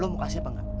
lu mau kasih apa enggak